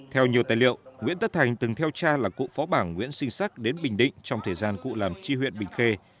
theo nhiều tài liệu nguyễn tất thành từng theo cha là cụ phó bảng nguyễn sinh sắc đến bình định trong thời gian cụ làm chi huyện bình khê